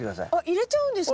入れちゃうんですか？